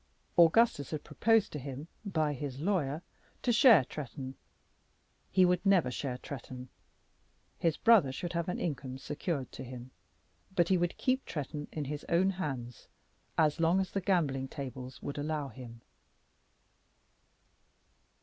Augustus had proposed to him by his lawyer to share Tretton. He would never share Tretton. His brother should have an income secured to him, but he would keep Tretton in his own hands, as long as the gambling tables would allow him.